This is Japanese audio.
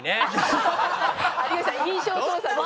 有吉さん印象操作です。